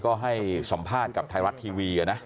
ก็ให้สัมภาษณ์กับไทยรัฐทีวีนะ